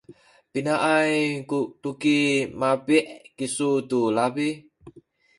pinaay ku tuki mabi’ kisu tu labi?